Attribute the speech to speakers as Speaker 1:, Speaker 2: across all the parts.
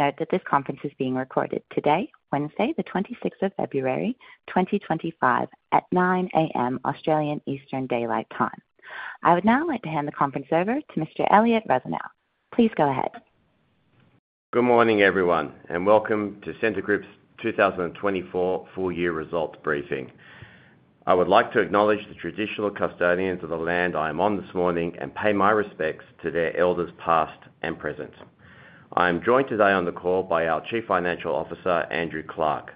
Speaker 1: Please note that this conference is being recorded today, Wednesday, the 26th of February, 2025, at 9:00 A.M. Australian Eastern Daylight Time. I would now like to hand the conference over to Mr. Elliott Rusanow. Please go ahead.
Speaker 2: Good morning, everyone, and welcome to Scentre Group's 2024 full-year results briefing. I would like to acknowledge the traditional custodians of the land I am on this morning and pay my respects to their elders past and present. I am joined today on the call by our Chief Financial Officer, Andrew Clarke,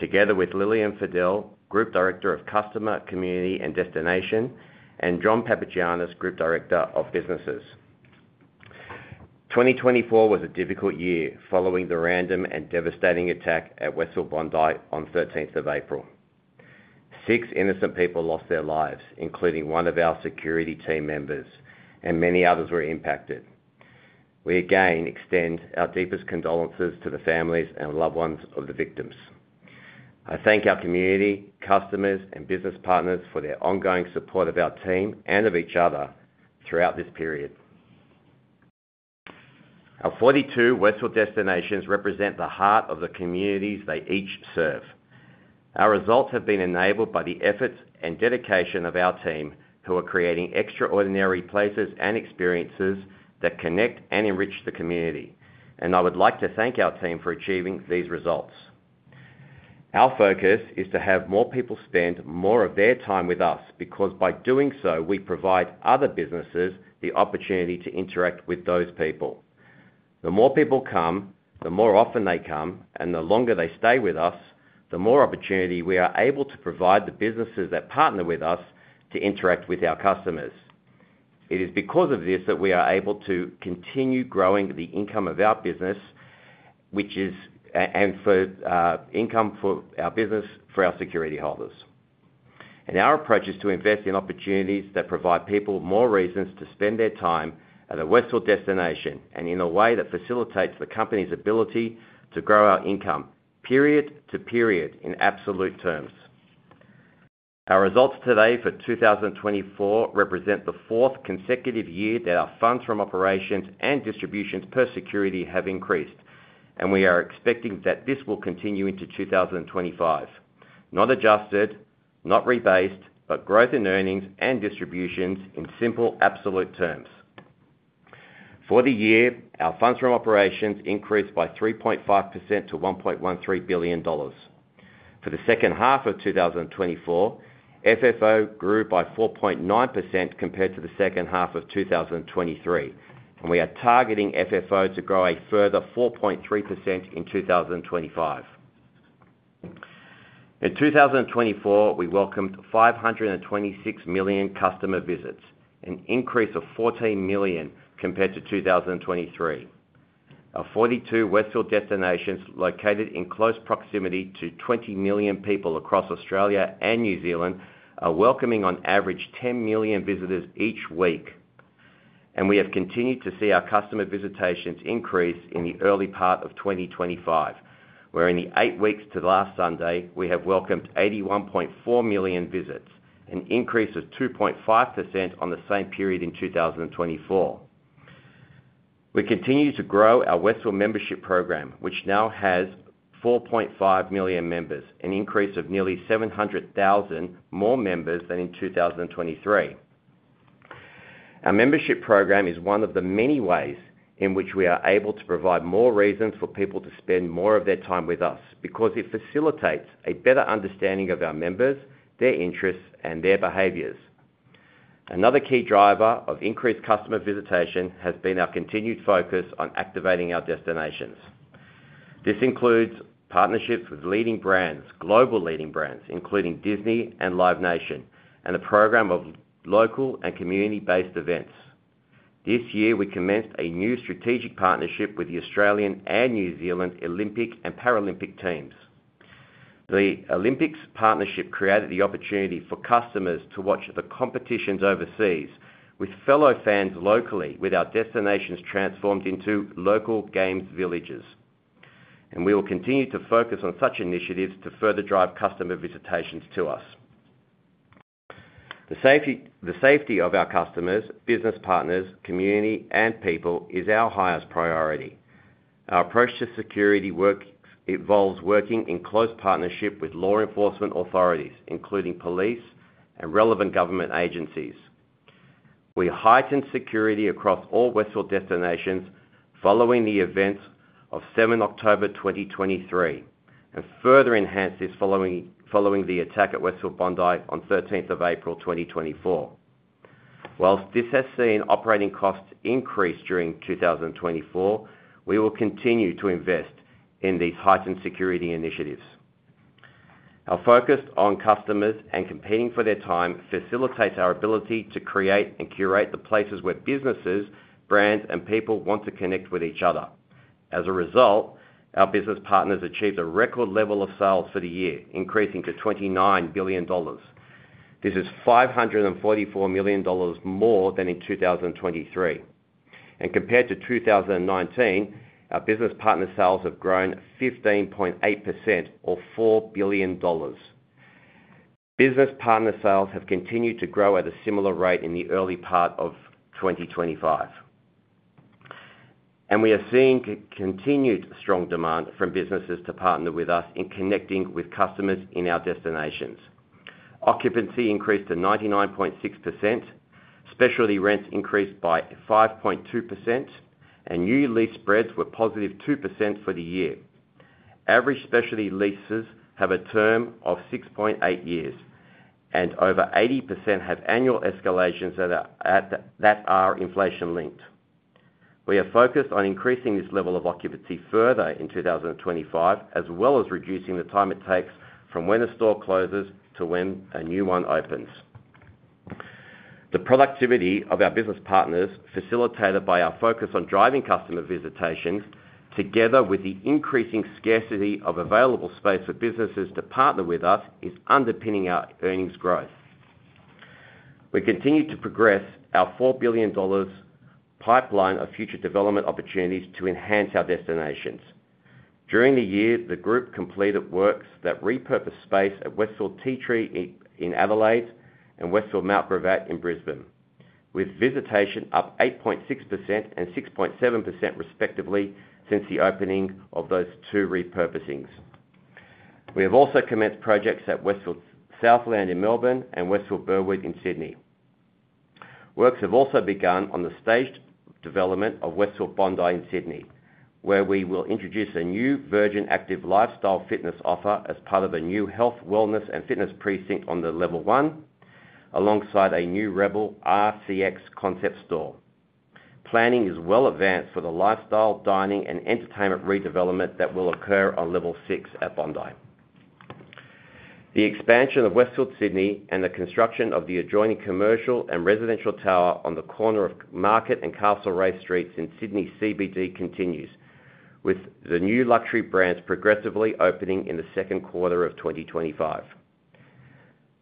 Speaker 2: together with Lillian Fadel, Group Director of Customer, Community, and Destination, and John Papagiannis, Group Director of Businesses. 2024 was a difficult year following the random and devastating attack at Westfield Bondi on the 13th of April. Six innocent people lost their lives, including one of our security team members, and many others were impacted. We again extend our deepest condolences to the families and loved ones of the victims. I thank our community, customers, and business partners for their ongoing support of our team and of each other throughout this period. Our 42 Westfield destinations represent the heart of the communities they each serve. Our results have been enabled by the efforts and dedication of our team, who are creating extraordinary places and experiences that connect and enrich the community, and I would like to thank our team for achieving these results. Our focus is to have more people spend more of their time with us because, by doing so, we provide other businesses the opportunity to interact with those people. The more people come, the more often they come, and the longer they stay with us, the more opportunity we are able to provide the businesses that partner with us to interact with our customers. It is because of this that we are able to continue growing the income of our business, which is income for our business, for our security holders. Our approach is to invest in opportunities that provide people more reasons to spend their time at a Westfield destination and in a way that facilitates the company's ability to grow our income period to period in absolute terms. Our results today for 2024 represent the fourth consecutive year that our Funds From Operations and Distributions Per Security have increased, and we are expecting that this will continue into 2025. Not adjusted, not rebased, but growth in earnings and distributions in simple absolute terms. For the year, our Funds From Operations increased by 3.5% to 1.13 billion dollars. For the second half of 2024, FFO grew by 4.9% compared to the second half of 2023, and we are targeting FFO to grow a further 4.3% in 2025. In 2024, we welcomed 526 million customer visits, an increase of 14 million compared to 2023. Our 42 Westfield destinations, located in close proximity to 20 million people across Australia and New Zealand, are welcoming on average 10 million visitors each week, and we have continued to see our customer visitations increase in the early part of 2025, where in the eight weeks to last Sunday, we have welcomed 81.4 million visits, an increase of 2.5% on the same period in 2024. We continue to grow our Westfield membership program, which now has 4.5 million members, an increase of nearly 700,000 more members than in 2023. Our membership program is one of the many ways in which we are able to provide more reasons for people to spend more of their time with us because it facilitates a better understanding of our members, their interests, and their behaviors. Another key driver of increased customer visitation has been our continued focus on activating our destinations. This includes partnerships with leading brands, global leading brands, including Disney and Live Nation, and a program of local and community-based events. This year, we commenced a new strategic partnership with the Australian and New Zealand Olympic and Paralympic teams. The Olympics partnership created the opportunity for customers to watch the competitions overseas with fellow fans locally, with our destinations transformed into local games villages, and we will continue to focus on such initiatives to further drive customer visitations to us. The safety of our customers, business partners, community, and people is our highest priority. Our approach to security works involves working in close partnership with law enforcement authorities, including police and relevant government agencies. We heightened security across all Westfield destinations following the events of 7 October 2023 and further enhanced this following the attack at Westfield Bondi on the 13th of April 2024. While this has seen operating costs increase during 2024, we will continue to invest in these heightened security initiatives. Our focus on customers and competing for their time facilitates our ability to create and curate the places where businesses, brands, and people want to connect with each other. As a result, our business partners achieved a record level of sales for the year, increasing to 29 billion dollars. This is 544 million dollars more than in 2023 and compared to 2019, our business partner sales have grown 15.8% or 4 billion dollars. Business partner sales have continued to grow at a similar rate in the early part of 2025, and we are seeing continued strong demand from businesses to partner with us in connecting with customers in our destinations. Occupancy increased to 99.6%, specialty rents increased by 5.2%, and new lease spreads were positive 2% for the year. Average specialty leases have a term of 6.8 years, and over 80% have annual escalations that are inflation-linked. We are focused on increasing this level of occupancy further in 2025, as well as reducing the time it takes from when a store closes to when a new one opens. The productivity of our business partners, facilitated by our focus on driving customer visitations, together with the increasing scarcity of available space for businesses to partner with us, is underpinning our earnings growth. We continue to progress our 4 billion dollars pipeline of future development opportunities to enhance our destinations. During the year, the Group completed works that repurpose space at Westfield Tea Tree in Adelaide and Westfield Mt Gravatt in Brisbane, with visitation up 8.6% and 6.7% respectively since the opening of those two repurposings. We have also commenced projects at Westfield Southland in Melbourne and Westfield Burwood in Sydney. Works have also begun on the staged development of Westfield Bondi in Sydney, where we will introduce a new Virgin Active lifestyle fitness offer as part of a new health, wellness, and fitness precinct on level 1, alongside a new Rebel rCX concept store. Planning is well advanced for the lifestyle, dining, and entertainment redevelopment that will occur on level 6 at Bondi. The expansion of Westfield Sydney and the construction of the adjoining commercial and residential tower on the corner of Market and Castlereagh Streets in Sydney CBD continues, with the new luxury brands progressively opening in the second quarter of 2025.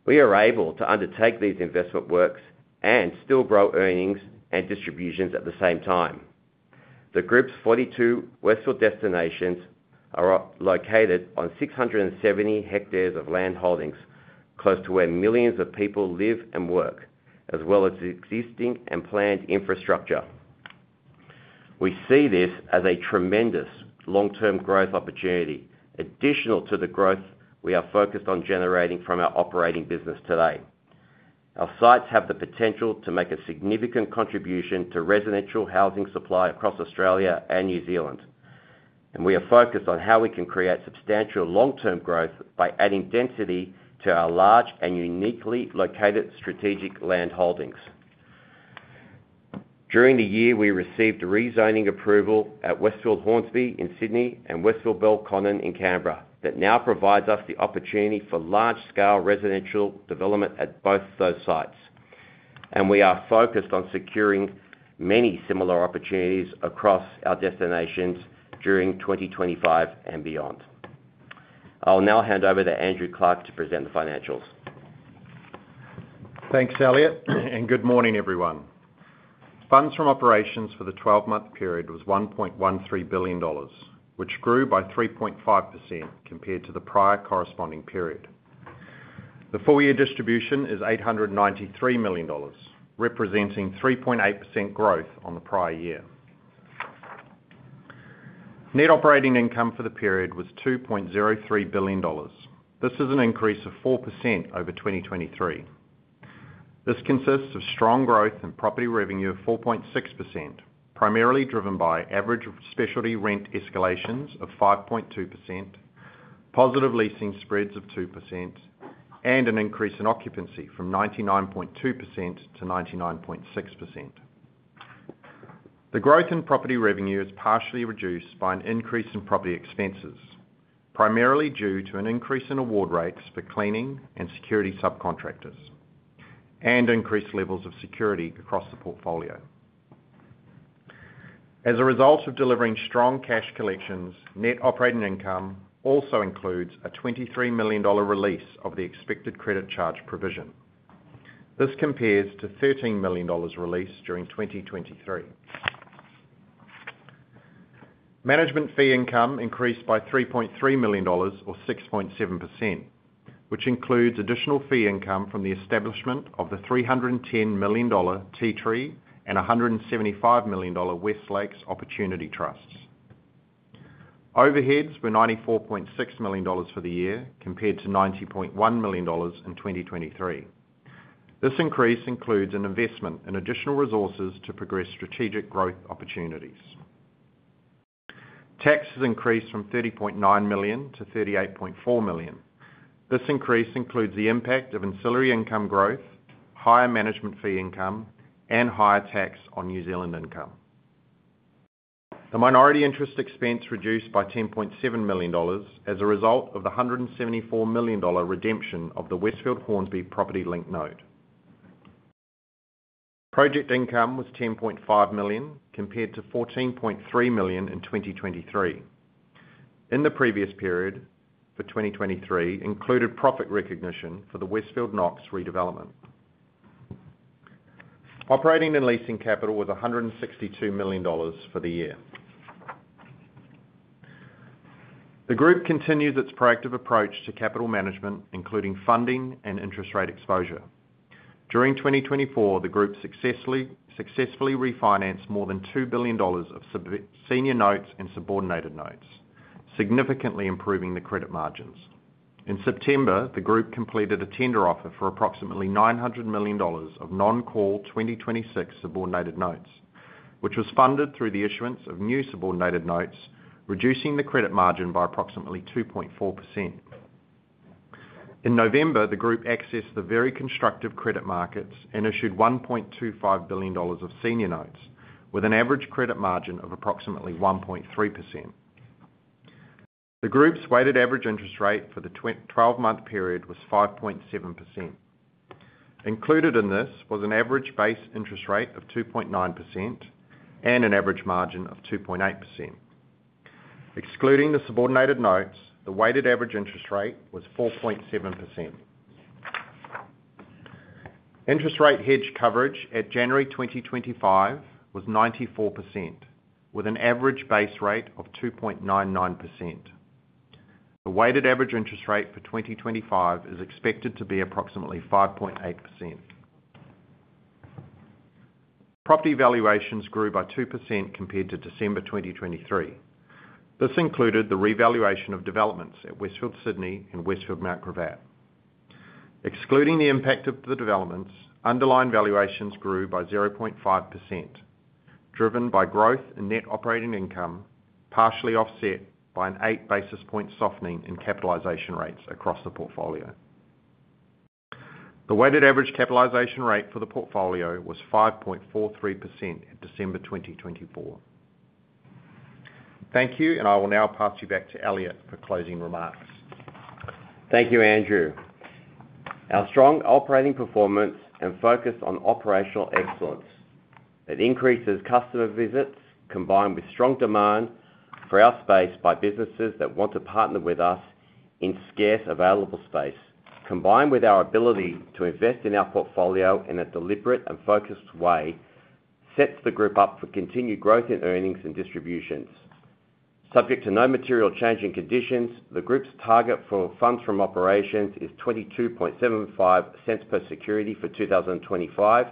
Speaker 2: We are able to undertake these investment works and still grow earnings and distributions at the same time. The Group's 42 Westfield destinations are located on 670 hectares of land holdings close to where millions of people live and work, as well as existing and planned infrastructure. We see this as a tremendous long-term growth opportunity, additional to the growth we are focused on generating from our operating business today. Our sites have the potential to make a significant contribution to residential housing supply across Australia and New Zealand, and we are focused on how we can create substantial long-term growth by adding density to our large and uniquely located strategic land holdings. During the year, we received rezoning approval at Westfield Hornsby in Sydney and Westfield Belconnen in Canberra that now provides us the opportunity for large-scale residential development at both those sites, and we are focused on securing many similar opportunities across our destinations during 2025 and beyond. I'll now hand over to Andrew Clarke to present the financials.
Speaker 3: Thanks, Elliott, and good morning, everyone. Funds from operations for the 12-month period was 1.13 billion dollars, which grew by 3.5% compared to the prior corresponding period. The full-year distribution is 893 million dollars, representing 3.8% growth on the prior year. Net operating income for the period was 2.03 billion dollars. This is an increase of 4% over 2023. This consists of strong growth in property revenue of 4.6%, primarily driven by average specialty rent escalations of 5.2%, positive leasing spreads of 2%, and an increase in occupancy from 99.2% to 99.6%. The growth in property revenue is partially reduced by an increase in property expenses, primarily due to an increase in award rates for cleaning and security subcontractors and increased levels of security across the portfolio. As a result of delivering strong cash collections, net operating income also includes a 23 million dollar release of the expected credit charge provision. This compares to $13 million released during 2023. Management fee income increased by $3.3 million or 6.7%, which includes additional fee income from the establishment of the $310 million Tea Tree and $175 million West Lakes Opportunity Trusts. Overheads were $94.6 million for the year, compared to $90.1 million in 2023. This increase includes an investment in additional resources to progress strategic growth opportunities. Taxes increased from $30.9 million to $38.4 million. This increase includes the impact of ancillary income growth, higher management fee income, and higher tax on New Zealand income. The minority interest expense reduced by $10.7 million as a result of the $174 million redemption of the Westfield Hornsby property-linked note. Project income was $10.5 million compared to $14.3 million in 2023. In the previous period for 2023, it included profit recognition for the Westfield Knox redevelopment. Operating and leasing capital was $162 million for the year. The Group continues its proactive approach to capital management, including funding and interest rate exposure. During 2024, the Group successfully refinanced more than 2 billion dollars of senior notes and subordinated notes, significantly improving the credit margins. In September, the Group completed a tender offer for approximately 900 million dollars of non-call 2026 subordinated notes, which was funded through the issuance of new subordinated notes, reducing the credit margin by approximately 2.4%. In November, the Group accessed the very constructive credit markets and issued 1.25 billion dollars of senior notes, with an average credit margin of approximately 1.3%. The Group's weighted average interest rate for the 12-month period was 5.7%. Included in this was an average base interest rate of 2.9% and an average margin of 2.8%. Excluding the subordinated notes, the weighted average interest rate was 4.7%. Interest rate hedge coverage at January 2025 was 94%, with an average base rate of 2.99%. The weighted average interest rate for 2025 is expected to be approximately 5.8%. Property valuations grew by 2% compared to December 2023. This included the revaluation of developments at Westfield Sydney and Westfield Mt Gravatt. Excluding the impact of the developments, underlying valuations grew by 0.5%, driven by growth and net operating income, partially offset by an eight basis points softening in capitalization rates across the portfolio. The weighted average capitalization rate for the portfolio was 5.43% in December 2024. Thank you, and I will now pass you back to Elliott for closing remarks.
Speaker 2: Thank you, Andrew. Our strong operating performance and focus on operational excellence. It increases customer visits, combined with strong demand for our space by businesses that want to partner with us in scarce available space. Combined with our ability to invest in our portfolio in a deliberate and focused way, it sets the Group up for continued growth in earnings and distributions. Subject to no material change in conditions, the Group's target for Funds From Operations is 22.75 per security for 2025,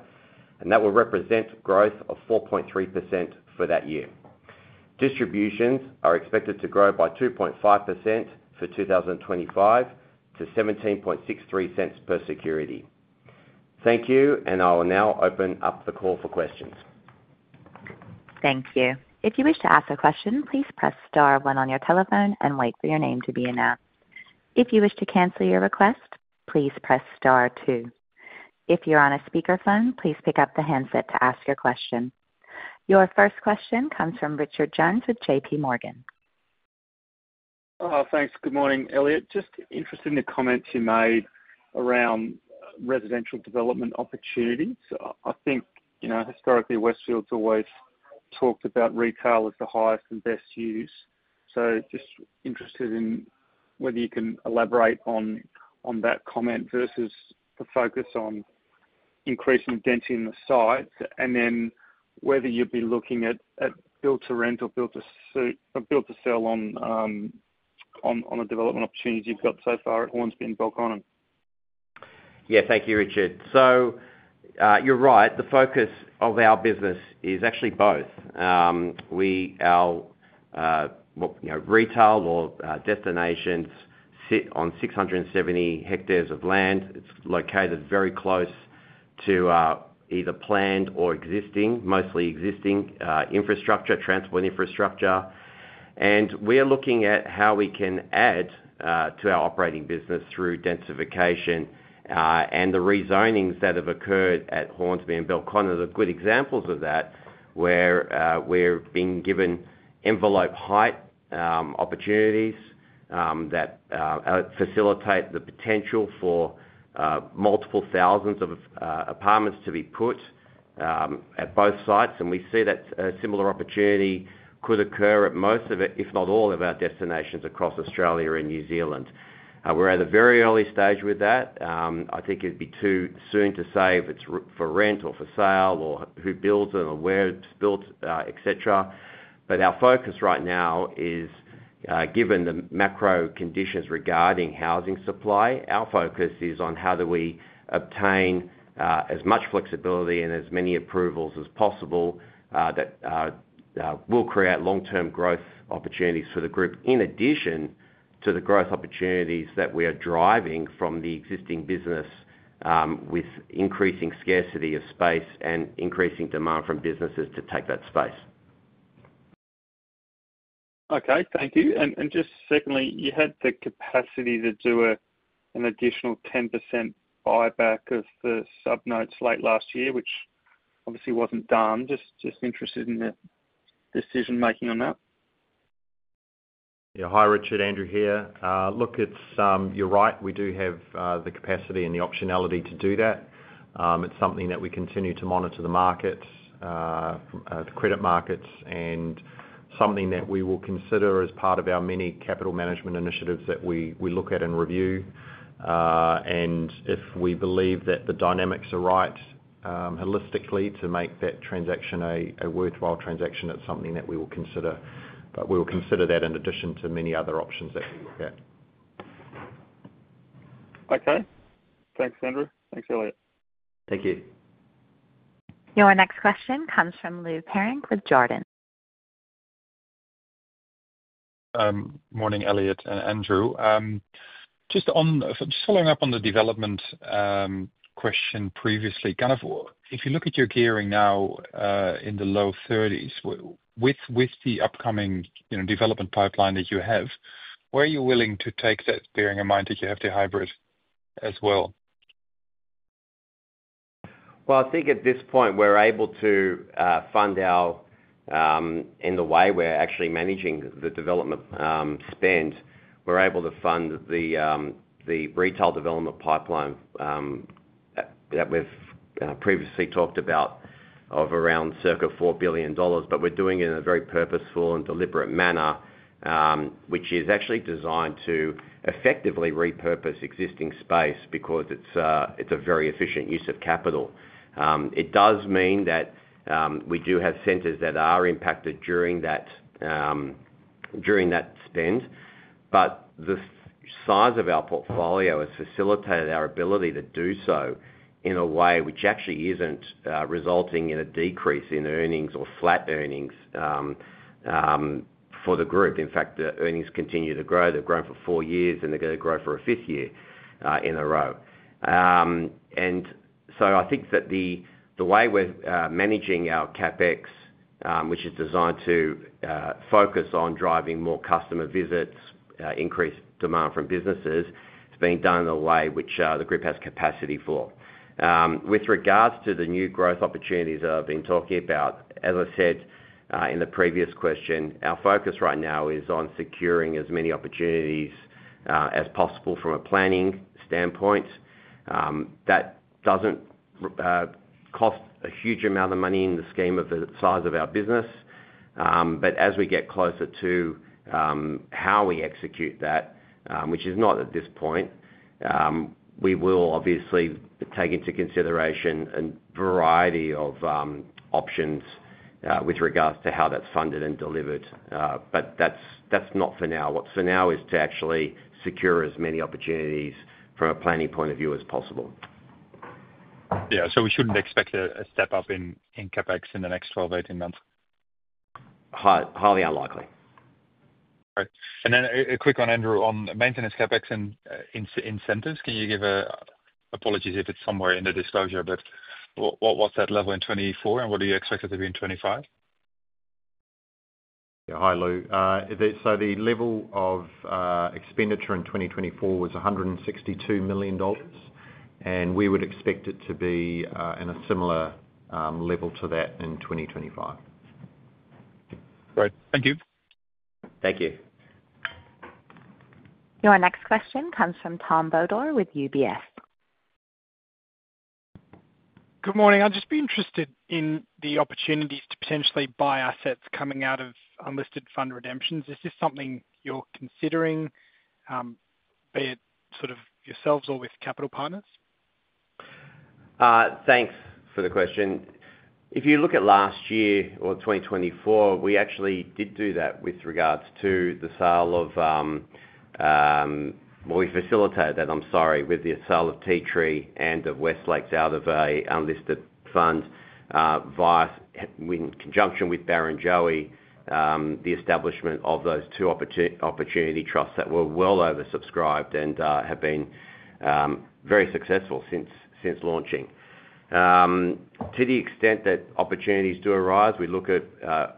Speaker 2: and that will represent growth of 4.3% for that year. Distributions are expected to grow by 2.5% for 2025 to 17.63 per security. Thank you, and I will now open up the call for questions.
Speaker 1: Thank you. If you wish to ask a question, please press star one on your telephone and wait for your name to be announced. If you wish to cancel your request, please press star two. If you're on a speakerphone, please pick up the handset to ask your question. Your first question comes from Richard Jones with J.P. Morgan.
Speaker 4: Thanks. Good morning, Elliott. Just interested in the comments you made around residential development opportunities. I think, you know, historically, Westfield's always talked about retail as the highest and best use. So just interested in whether you can elaborate on that comment versus the focus on increasing density in the sites and then whether you'd be looking at built-to-rent or built-to-sell on the development opportunities you've got so far at Hornsby and Belconnen.
Speaker 2: Yeah, thank you, Richard. So you're right. The focus of our business is actually both. Our retail or destinations sit on 670 hectares of land. It's located very close to either planned or existing, mostly existing infrastructure, transport infrastructure. And we are looking at how we can add to our operating business through densification and the rezonings that have occurred at Hornsby and Belconnen. There are good examples of that where we're being given envelope height opportunities that facilitate the potential for multiple thousands of apartments to be put at both sites. And we see that a similar opportunity could occur at most of, if not all, of our destinations across Australia and New Zealand. We're at a very early stage with that. I think it'd be too soon to say if it's for rent or for sale or who builds it or where it's built, etc. But our focus right now is, given the macro conditions regarding housing supply, on how we obtain as much flexibility and as many approvals as possible that will create long-term growth opportunities for the Group, in addition to the growth opportunities that we are driving from the existing business with increasing scarcity of space and increasing demand from businesses to take that space.
Speaker 4: Okay, thank you. And just secondly, you had the capacity to do an additional 10% buyback of the sub-notes late last year, which obviously wasn't done. Just interested in the decision-making on that.
Speaker 3: Yeah, hi, Richard. Andrew here. Look, it's, you're right. We do have the capacity and the optionality to do that. It's something that we continue to monitor: the markets, the credit markets, and something that we will consider as part of our many capital management initiatives that we look at and review. And if we believe that the dynamics are right holistically to make that transaction a worthwhile transaction, it's something that we will consider. But we will consider that in addition to many other options that we look at.
Speaker 4: Okay. Thanks, Andrew. Thanks, Elliott.
Speaker 2: Thank you.
Speaker 1: Your next question comes from Lou Pirenc with Jarden.
Speaker 5: Morning, Elliott and Andrew. Just following up on the development question previously, kind of if you look at your gearing now in the low 30s with the upcoming development pipeline that you have, where are you willing to take that gearing bearing in mind that you have to hybrid as well?
Speaker 2: I think at this point we're able to fund our development spend in the way we're actually managing the development spend. We're able to fund the retail development pipeline that we've previously talked about of around circa $4 billion. But we're doing it in a very purposeful and deliberate manner, which is actually designed to effectively repurpose existing space because it's a very efficient use of capital. It does mean that we do have centers that are impacted during that spend, but the size of our portfolio has facilitated our ability to do so in a way which actually isn't resulting in a decrease in earnings or flat earnings for the Group. In fact, the earnings continue to grow. They've grown for four years, and they're going to grow for a fifth year in a row. And so I think that the way we're managing our CapEx, which is designed to focus on driving more customer visits, increase demand from businesses, is being done in a way which the Group has capacity for. With regards to the new growth opportunities that I've been talking about, as I said in the previous question, our focus right now is on securing as many opportunities as possible from a planning standpoint. That doesn't cost a huge amount of money in the scheme of the size of our business. But as we get closer to how we execute that, which is not at this point, we will obviously take into consideration a variety of options with regards to how that's funded and delivered. But that's not for now. What's for now is to actually secure as many opportunities from a planning point of view as possible.
Speaker 5: Yeah. So we shouldn't expect a step up in CapEx in the next 12-18 months?
Speaker 2: Highly unlikely.
Speaker 5: All right. And then a quick one, Andrew, on maintenance CapEx and incentives. Can you give, apologies if it's somewhere in the disclosure, but what's that level in 2024, and what do you expect it to be in 2025?
Speaker 3: Yeah. Hi, Lou. So the level of expenditure in 2024 was 162 million dollars, and we would expect it to be in a similar level to that in 2025.
Speaker 5: Great. Thank you.
Speaker 2: Thank you.
Speaker 1: Your next question comes from Tom Boustred with UBS.
Speaker 6: Good morning. I'd just be interested in the opportunities to potentially buy assets coming out of unlisted fund redemptions. Is this something you're considering, be it sort of yourselves or with capital partners?
Speaker 2: Thanks for the question. If you look at last year or 2024, we actually did do that with regards to the sale of well, we facilitated that. I'm sorry, with the sale of Tea Tree and of West Lakes out of an unlisted fund in conjunction with Barrenjoey, the establishment of those two opportunity trusts that were well oversubscribed and have been very successful since launching. To the extent that opportunities do arise, we look at,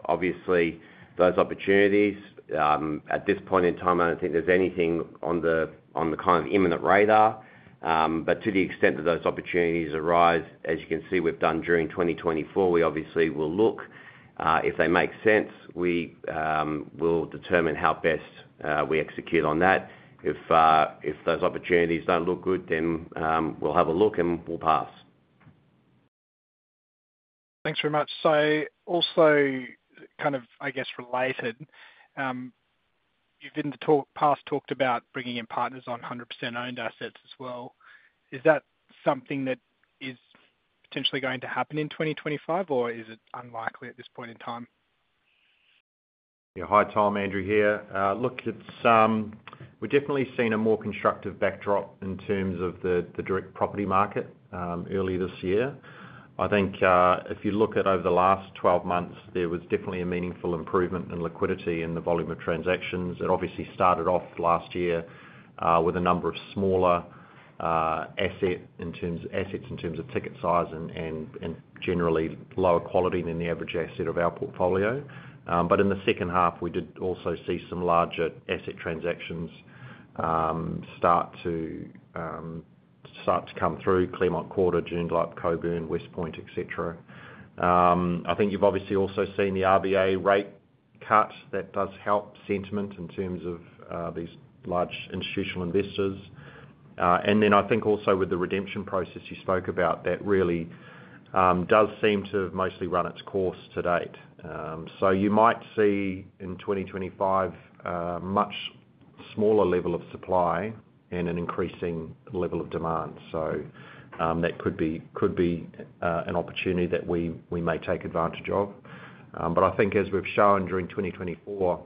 Speaker 2: obviously, those opportunities. At this point in time, I don't think there's anything on the kind of imminent radar. But to the extent that those opportunities arise, as you can see we've done during 2024, we obviously will look. If they make sense, we will determine how best we execute on that. If those opportunities don't look good, then we'll have a look and we'll pass.
Speaker 6: Thanks very much. So also kind of, I guess, related, you've in the past talked about bringing in partners on 100% owned assets as well. Is that something that is potentially going to happen in 2025, or is it unlikely at this point in time?
Speaker 3: Yeah. Hi, Tom, Andrew here. Look, we're definitely seeing a more constructive backdrop in terms of the direct property market earlier this year. I think if you look at over the last 12 months, there was definitely a meaningful improvement in liquidity and the volume of transactions. It obviously started off last year with a number of smaller assets in terms of ticket size and generally lower quality than the average asset of our portfolio. But in the second half, we did also see some larger asset transactions start to come through: Claremont Quarter, Joondalup, Cockburn, Westpoint, etc. I think you've obviously also seen the RBA rate cut. That does help sentiment in terms of these large institutional investors. And then I think also with the redemption process you spoke about, that really does seem to have mostly run its course to date. So you might see in 2025 a much smaller level of supply and an increasing level of demand. So that could be an opportunity that we may take advantage of. But I think as we've shown during 2024,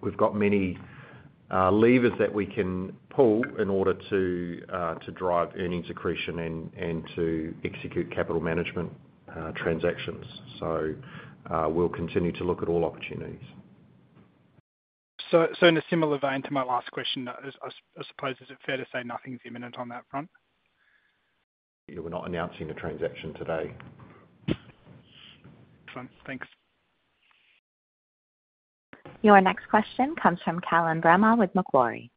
Speaker 3: we've got many levers that we can pull in order to drive earnings accretion and to execute capital management transactions. So we'll continue to look at all opportunities.
Speaker 6: So in a similar vein to my last question, I suppose, is it fair to say nothing's imminent on that front?
Speaker 3: Yeah, we're not announcing a transaction today.
Speaker 6: Excellent. Thanks.
Speaker 1: Your next question comes from Callum Bramah with Macquarie.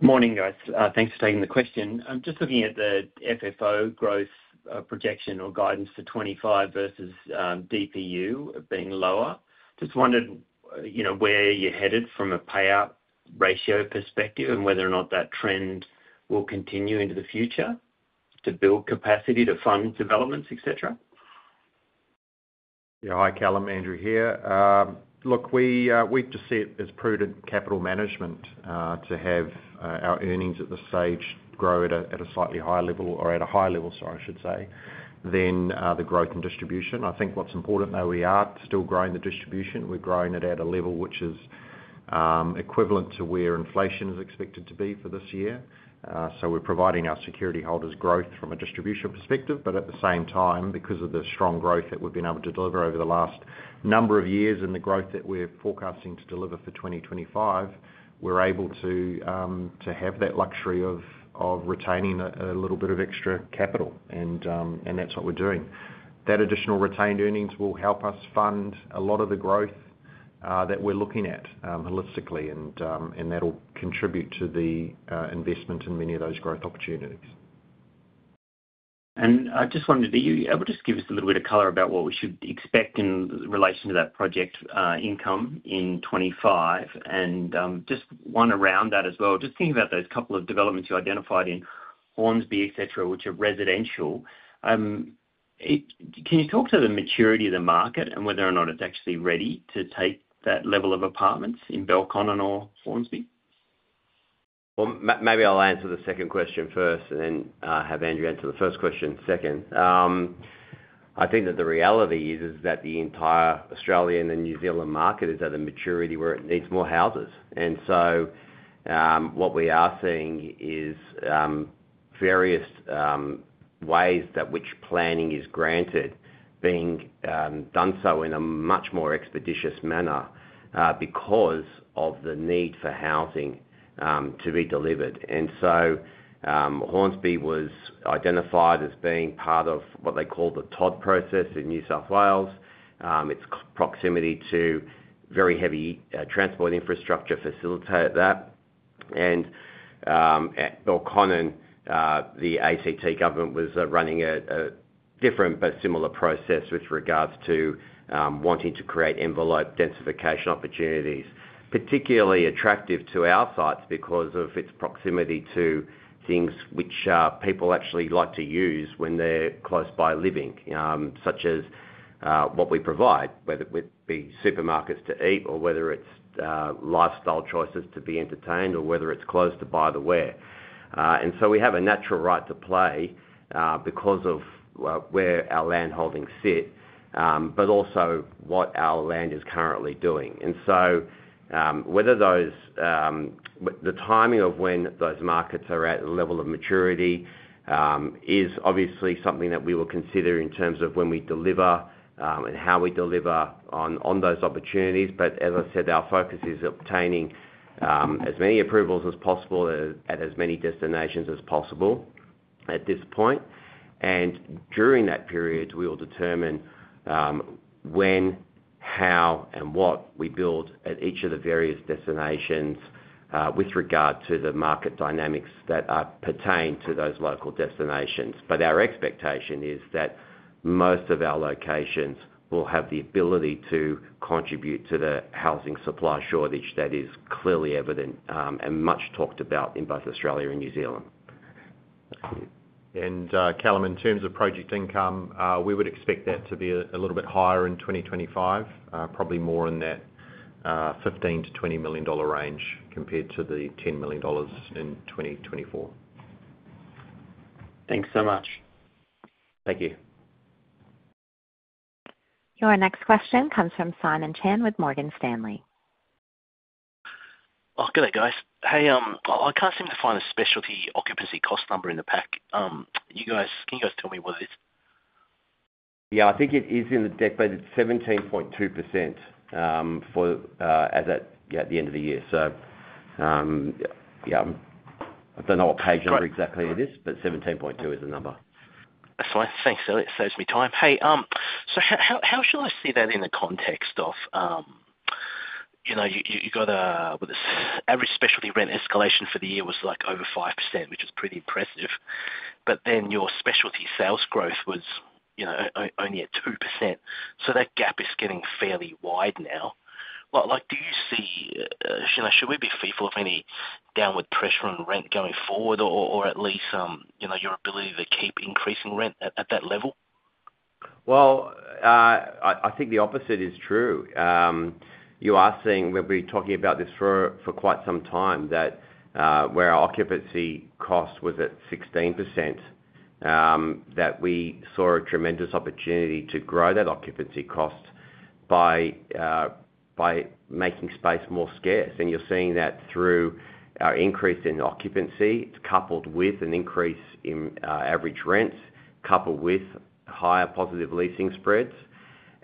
Speaker 7: Morning, guys. Thanks for taking the question. I'm just looking at the FFO growth projection or guidance for 2025 versus DPU being lower. Just wondered where you're headed from a payout ratio perspective and whether or not that trend will continue into the future to build capacity to fund developments, etc.
Speaker 3: Yeah. Hi, Callum. Andrew here. Look, we've just seen it as prudent capital management to have our earnings at this stage grow at a slightly higher level or at a higher level, sorry, I should say, than the growth in distribution. I think what's important though, we are still growing the distribution. We're growing it at a level which is equivalent to where inflation is expected to be for this year. So we're providing our security holders growth from a distribution perspective. But at the same time, because of the strong growth that we've been able to deliver over the last number of years and the growth that we're forecasting to deliver for 2025, we're able to have that luxury of retaining a little bit of extra capital. And that's what we're doing. That additional retained earnings will help us fund a lot of the growth that we're looking at holistically, and that'll contribute to the investment in many of those growth opportunities.
Speaker 7: I just wondered, are you able to just give us a little bit of color about what we should expect in relation to that project income in 2025? And just one around that as well. Just thinking about those couple of developments you identified in Hornsby, etc., which are residential, can you talk to the maturity of the market and whether or not it's actually ready to take that level of apartments in Belconnen or Hornsby?
Speaker 3: Maybe I'll answer the second question first and then have Andrew answer the first question second. I think that the reality is that the entire Australian and New Zealand market is at a maturity where it needs more houses. What we are seeing is various ways that which planning is granted being done so in a much more expeditious manner because of the need for housing to be delivered. Hornsby was identified as being part of what they call the TOD process in New South Wales. Its proximity to very heavy transport infrastructure facilitated that. At Belconnen, the ACT government was running a different but similar process with regards to wanting to create envelope densification opportunities, particularly attractive to our sites because of its proximity to things which people actually like to use when they're close by living, such as what we provide, whether it be supermarkets to eat or whether it's lifestyle choices to be entertained or whether it's close to buy the wares. And so we have a natural right to play because of where our land holdings sit, but also what our land is currently doing. And so whether the timing of when those markets are at the level of maturity is obviously something that we will consider in terms of when we deliver and how we deliver on those opportunities. But as I said, our focus is obtaining as many approvals as possible at as many destinations as possible at this point. And during that period, we will determine when, how, and what we build at each of the various destinations with regard to the market dynamics that pertain to those local destinations. But our expectation is that most of our locations will have the ability to contribute to the housing supply shortage that is clearly evident and much talked about in both Australia and New Zealand.
Speaker 2: Callum, in terms of project income, we would expect that to be a little bit higher in 2025, probably more in that $15-20 million dollar range compared to the $10 million dollars in 2024. Thanks so much.
Speaker 7: Thank you.
Speaker 1: Your next question comes from Simon Chan with Morgan Stanley.
Speaker 8: Oh, good day, guys. Hey, I can't seem to find the specialty occupancy cost number in the pack. Can you guys tell me what it is?
Speaker 2: Yeah. I think it is in the deck, but it's 17.2% as at the end of the year. So yeah, I don't know what page number exactly it is, but 17.2 is the number.
Speaker 8: Excellent. Thanks. That saves me time. Hey, so how shall I see that in the context of you got an average specialty rent escalation for the year was like over 5%, which is pretty impressive. But then your specialty sales growth was only at 2%. So that gap is getting fairly wide now. Do you see should we be fearful of any downward pressure on rent going forward or at least your ability to keep increasing rent at that level?
Speaker 2: I think the opposite is true. You are seeing we've been talking about this for quite some time that where our occupancy cost was at 16%, that we saw a tremendous opportunity to grow that occupancy cost by making space more scarce. And you're seeing that through our increase in occupancy, coupled with an increase in average rents, coupled with higher positive leasing spreads.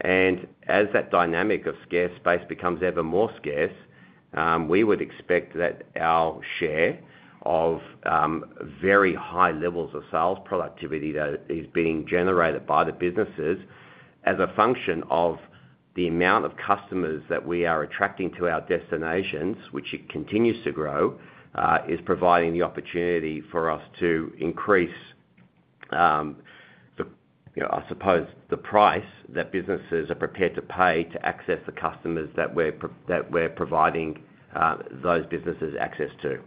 Speaker 2: And as that dynamic of scarce space becomes ever more scarce, we would expect that our share of very high levels of sales productivity that is being generated by the businesses as a function of the amount of customers that we are attracting to our destinations, which it continues to grow, is providing the opportunity for us to increase, I suppose, the price that businesses are prepared to pay to access the customers that we're providing those businesses access to.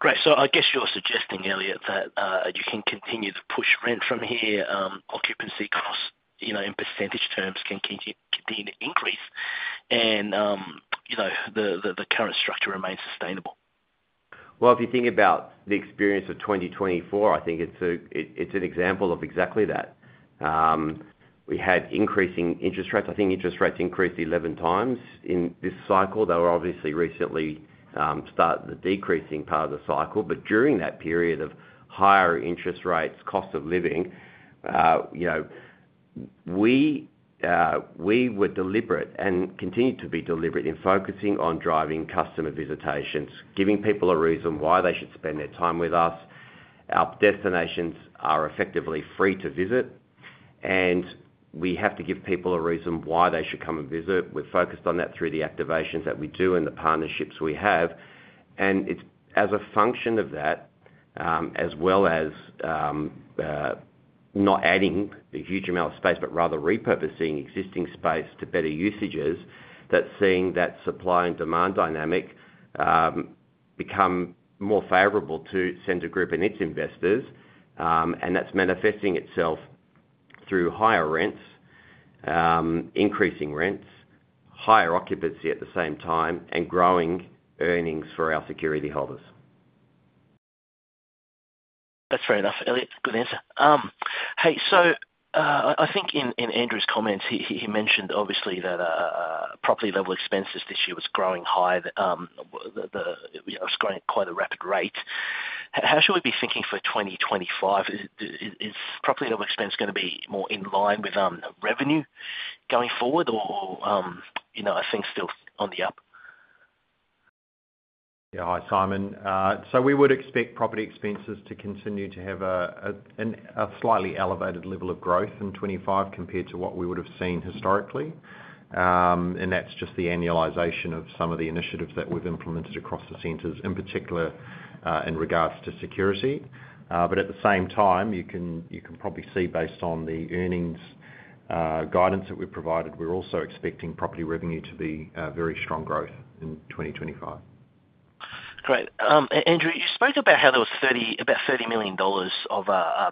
Speaker 8: Great. So I guess you're suggesting, Elliott, that you can continue to push rent from here. Occupancy costs in percentage terms can continue to increase and the current structure remains sustainable.
Speaker 2: If you think about the experience of 2024, I think it's an example of exactly that. We had increasing interest rates. I think interest rates increased 11 times in this cycle. They were obviously recently starting the decreasing part of the cycle. But during that period of higher interest rates, cost of living, we were deliberate and continue to be deliberate in focusing on driving customer visitations, giving people a reason why they should spend their time with us. Our destinations are effectively free to visit. And we have to give people a reason why they should come and visit. We've focused on that through the activations that we do and the partnerships we have. It's as a function of that, as well as not adding a huge amount of space, but rather repurposing existing space to better usages, that seeing that supply and demand dynamic become more favorable to Scentre Group and its investors. That's manifesting itself through higher rents, increasing rents, higher occupancy at the same time, and growing earnings for our security holders.
Speaker 8: That's fair enough, Elliott. Good answer. Hey, so I think in Andrew's comments, he mentioned obviously that property level expenses this year was growing high. It was growing at quite a rapid rate. How should we be thinking for 2025? Is property level expense going to be more in line with revenue going forward or I think still on the up?
Speaker 3: Yeah. Hi, Simon. So we would expect property expenses to continue to have a slightly elevated level of growth in 2025 compared to what we would have seen historically. And that's just the annualization of some of the initiatives that we've implemented across the centers, in particular in regards to security. But at the same time, you can probably see based on the earnings guidance that we've provided, we're also expecting property revenue to be very strong growth in 2025.
Speaker 8: Great. Andrew, you spoke about how there was about 30 million dollars of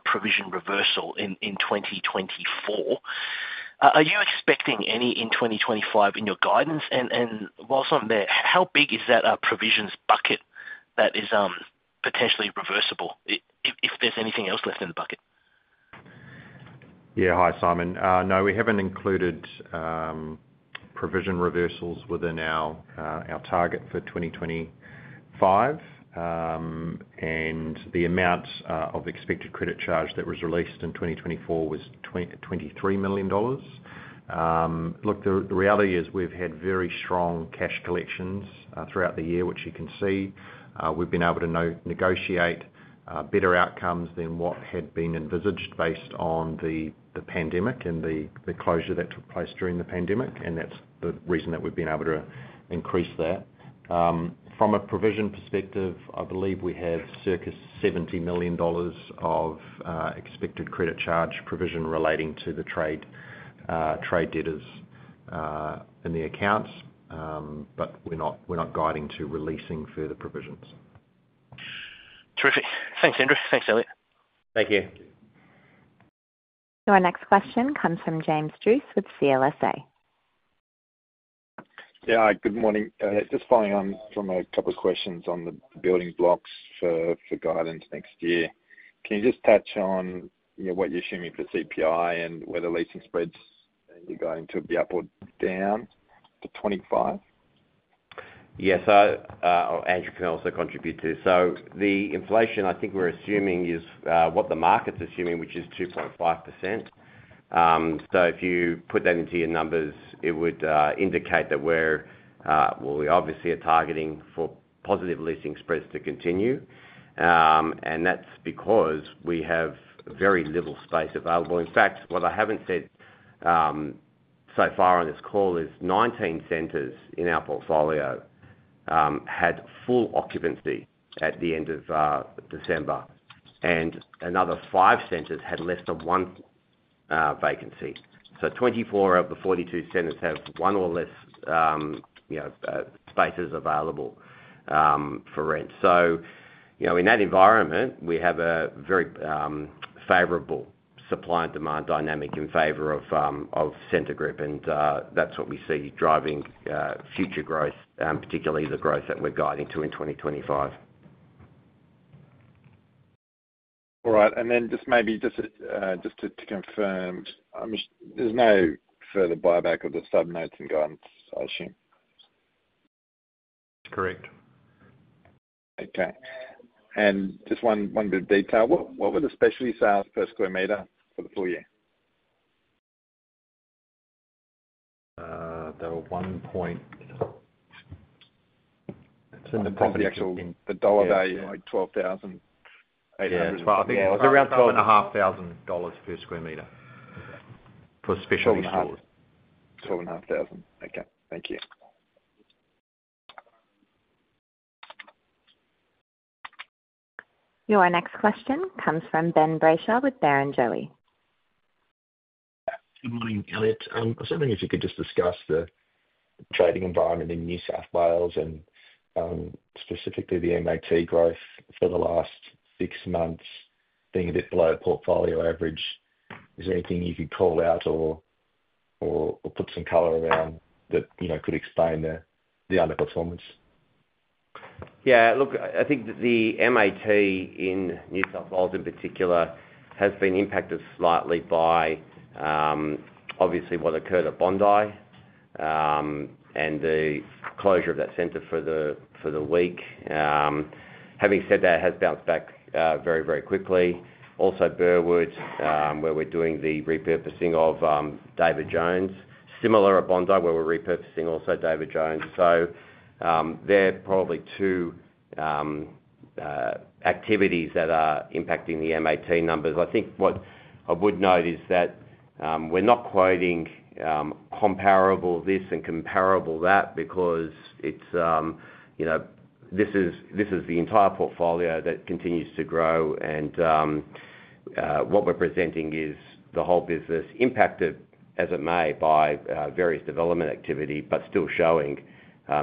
Speaker 8: provision reversal in 2024. Are you expecting any in 2025 in your guidance? And while I'm there, how big is that provisions bucket that is potentially reversible if there's anything else left in the bucket?
Speaker 3: Yeah. Hi, Simon. No, we haven't included provision reversals within our target for 2025. And the amount of expected credit charge that was released in 2024 was 23 million dollars. Look, the reality is we've had very strong cash collections throughout the year, which you can see. We've been able to negotiate better outcomes than what had been envisaged based on the pandemic and the closure that took place during the pandemic. And that's the reason that we've been able to increase that. From a provision perspective, I believe we have circa 70 million dollars of expected credit charge provision relating to the trade debtors in the accounts. But we're not guiding to releasing further provisions.
Speaker 8: Terrific. Thanks, Andrew. Thanks, Elliott.
Speaker 3: Thank you.
Speaker 1: Your next question comes from James Duesbury with CLSA.
Speaker 9: Yeah. Good morning. Just following on from a couple of questions on the building blocks for guidance next year. Can you just touch on what you're assuming for CPI and whether leasing spreads you're guiding to be up or down for 2025?
Speaker 2: Yes. Andrew can also contribute to. So the inflation, I think we're assuming is what the market's assuming, which is 2.5%. So if you put that into your numbers, it would indicate that we're well, we obviously are targeting for positive leasing spreads to continue. And that's because we have very little space available. In fact, what I haven't said so far on this call is 19 centers in our portfolio had full occupancy at the end of December, and another five centers had less than one vacancy. So 24 of the 42 centers have one or less spaces available for rent. So in that environment, we have a very favorable supply and demand dynamic in favor of Scentre Group. And that's what we see driving future growth, particularly the growth that we're guiding to in 2025.
Speaker 9: All right. And then just maybe just to confirm, there's no further buyback of the sub-notes and guidance, I assume?
Speaker 2: That's correct.
Speaker 9: Okay. And just one bit of detail. What were the specialty sales per square meter for the full year?
Speaker 2: They were one.
Speaker 9: The property actual. The dollar value, like 12,800 square meters.
Speaker 3: Yeah. It was around 12,500 dollars per sq m for specialty stores.
Speaker 9: 12,500. Okay. Thank you.
Speaker 1: Your next question comes from Ben Brayshaw with Barrenjoey.
Speaker 10: Good morning, Elliott. I was wondering if you could just discuss the trading environment in New South Wales and specifically the MAT growth for the last six months being a bit below portfolio average. Is there anything you could call out or put some color around that could explain the underperformance?
Speaker 2: Yeah. Look, I think the MAT in New South Wales in particular has been impacted slightly by obviously what occurred at Bondi and the closure of that center for the week. Having said that, it has bounced back very, very quickly. Also, Burwood, where we're doing the repurposing of David Jones. Similar at Bondi, where we're repurposing also David Jones. So there are probably two activities that are impacting the MAT numbers. I think what I would note is that we're not quoting comparable this and comparable that because this is the entire portfolio that continues to grow, and what we're presenting is the whole business impacted as it may by various development activity, but still showing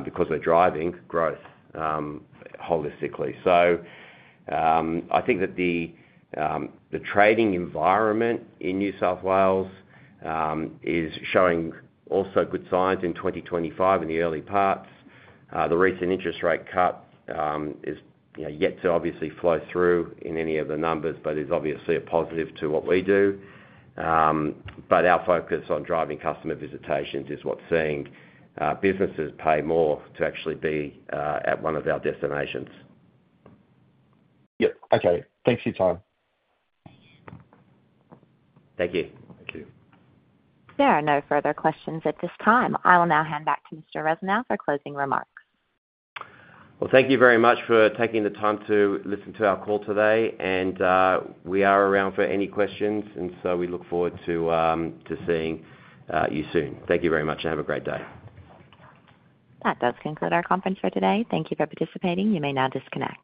Speaker 2: because we're driving growth holistically, so I think that the trading environment in New South Wales is showing also good signs in 2025 in the early parts. The recent interest rate cut is yet to obviously flow through in any of the numbers, but is obviously a positive to what we do. But our focus on driving customer visitations is what's seeing businesses pay more to actually be at one of our destinations.
Speaker 10: Yep. Okay. Thanks for your time.
Speaker 2: Thank you.
Speaker 3: Thank you.
Speaker 1: There are no further questions at this time. I will now hand back to Mr. Rusanow for closing remarks.
Speaker 2: Thank you very much for taking the time to listen to our call today. We are around for any questions. We look forward to seeing you soon. Thank you very much. Have a great day.
Speaker 1: That does conclude our conference for today. Thank you for participating. You may now disconnect.